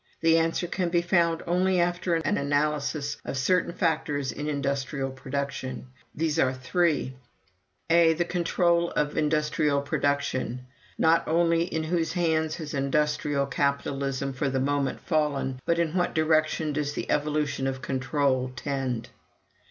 "The answer can be found only after an analysis of certain factors in industrial production. These are three: "(a) The control of industrial production. Not only, in whose hands has industrial capitalism for the moment fallen, but in what direction does the evolution of control tend?